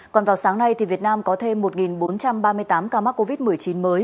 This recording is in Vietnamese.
còn vào sáng nay việt nam có thêm một bốn trăm ba mươi tám ca mắc covid một mươi chín mới